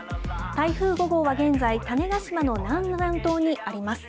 台風５号は現在、種子島の南南東にあります。